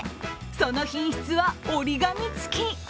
その品質は折り紙つき。